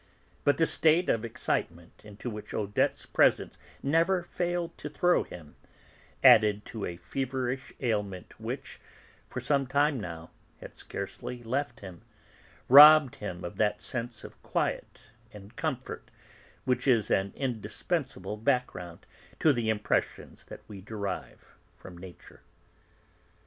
But the state of excitement into which Odette's presence never failed to throw him, added to a feverish ailment which, for some time now, had scarcely left him, robbed him of that sense of quiet and comfort which is an indispensable background to the impressions that we derive from nature.